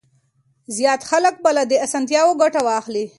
زيات خلک به له دې اسانتياوو ګټه واخلي.